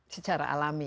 secara alami ya